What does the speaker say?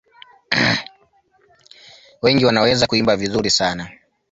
Wengi wanaweza kuimba vizuri sana.